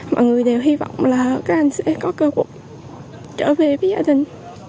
mọi người đều hy vọng là các anh sẽ có cơ hội trở về với gia đình